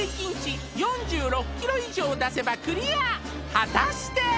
果たして？